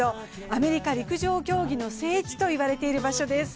アメリカ陸上競技の聖地といわれている場所です。